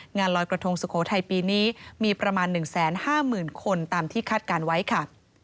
งานลอยกระทงสุโขทัยปีนี้มีประมาณ๑๕๐๐๐คนตามที่คาดการณ์ไว้ค่ะ